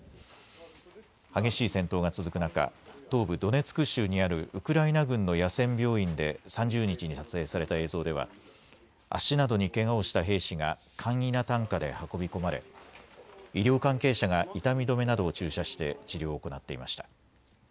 激しい戦闘が続く中、東部ドネツク州にあるウクライナ軍の野戦病院で３０日に撮影された映像では、足などにけがをした兵士が簡易な担架で運び込まれ、医療関係者が痛み止めなどを注射して治療を行っていました。